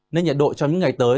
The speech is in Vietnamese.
nên nhiệt độ trong những ngày tới